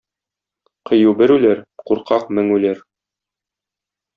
Кыю бер үләр, куркак мең үләр.